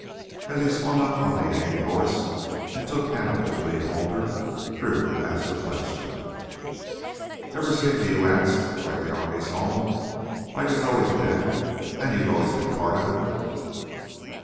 As he swung up on the Yankee horse and took Hannibal's lead halter, Drew asked a question: "Ever seem to you, Anse, like the army's home? Like it's always been, and you've always been a part of it?"